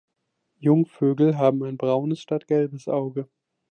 Jungvögel haben ein braunes statt gelbes Auge.